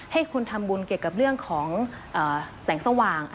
ให้คุณทำบุญเกี่ยวกับเรื่องของแสงสว่าง